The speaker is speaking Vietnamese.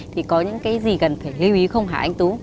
thì có những cái gì gần phải lưu ý không hả anh tú